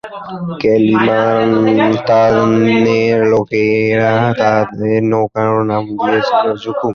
কালিমানতানের লোকেরা তাদের নৌকারও নাম দিয়েছিল জুকুং।